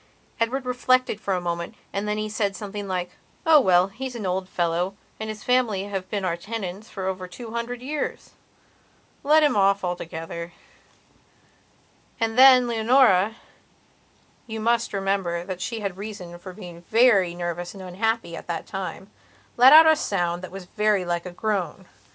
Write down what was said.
Edward reflected for a moment and then he said something like: "Oh well, he's an old fellow and his family have been our tenants for over two hundred years. Let him off altogether." And then Leonorayou must remember that she had reason for being very nervous and unhappy at that timelet out a sound that was very like a groan.